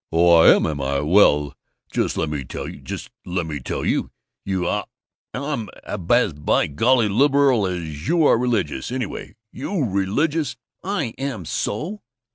"Oh, I am, am I! Well, just let me tell you, just let me tell you, I'm as by golly liberal as you are religious, anyway! You religious!" "I am so!